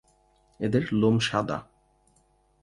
এদের লোম সাদা।